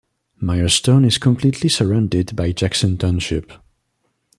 Myerstown is completely surrounded by Jackson Township.